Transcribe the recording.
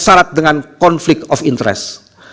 syarat dengan konflik of interest